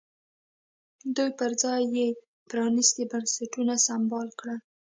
دوی پر ځای یې پرانیستي بنسټونه سمبال کړل.